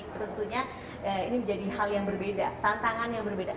tentunya ini menjadi hal yang berbeda tantangan yang berbeda